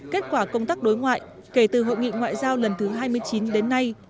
kết quả công tác đối ngoại kể từ hội nghị ngoại giao lần thứ hai mươi chín đến nay